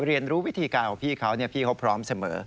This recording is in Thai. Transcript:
เรียนรู้วิธีการของพี่เขาพี่เขาพร้อมเสมอ